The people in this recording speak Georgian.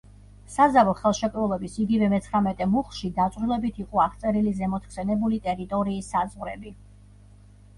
საზავო ხელშეკრულების იგივე მეცხრამეტე მუხლში დაწვრილებით იყო აღწერილი ზემოთ ხსენებული ტერიტორიის საზღვრები.